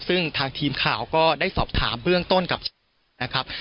ซึ่งทางทีมข่าวก็ได้สอบถามเบื้องต้นกับนะครับ